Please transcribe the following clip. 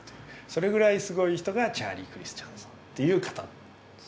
それぐらいすごい人がチャーリー・クリスチャンさんという方。